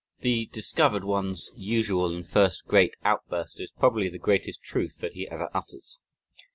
The discovered one's usual and first great outburst is probably the greatest truth that he ever utters.